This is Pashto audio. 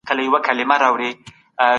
زرین انځور په خپلو نظریاتو کي قاطع و.